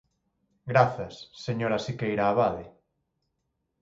Grazas, señora Siqueira Abade.